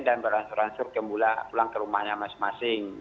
dan beransur ansur kembal pulang ke rumahnya masing masing